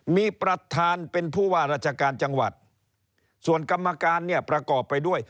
มีประธานเป็นผู้ว่าราชการจังหวัดส่วนกรรมการเนี่ยประกอบไปด้วย